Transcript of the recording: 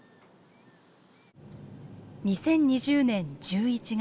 ２０２０年１１月。